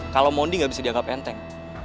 kalau mondi nggak bisa dianggap enteng